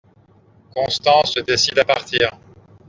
Constant se décide à partir.